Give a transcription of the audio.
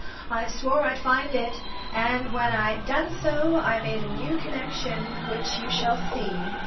I swore I'd find it, and when I'd done so I made the new connection which you shall see.